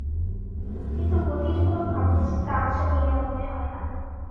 কিন্তু মতির কোনো ভাবনাচিন্তা আছে বলিয়া মনে হয় না।